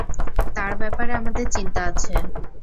তার ব্যাপারে আমাদের চিন্তা আছে।